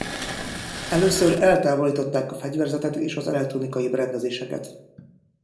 Először eltávolították a fegyverzetet és az elektronikai berendezéseket.